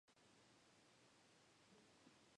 H Mart vende alimentos asiáticos.